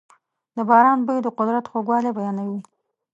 د باران بوی د قدرت خوږوالی بیانوي.